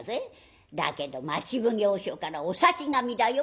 「だけど町奉行所からお差し紙だよ。